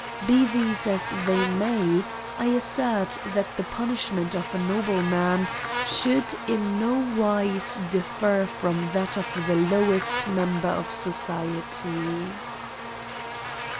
Be these as they may, I assert that the punishment of a no bleman should in no wise differ from that of the lowest member of society.